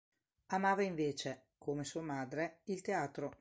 Amava invece, come sua madre, il teatro.